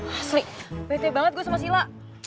asli bete banget gue sama si la